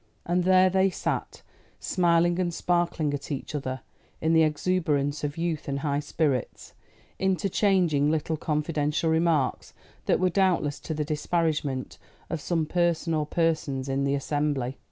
And there they sat, smiling and sparkling at each other in the exuberance of youth and high spirits, interchanging little confidential remarks that were doubtless to the disparagement of some person or persons in the assembly.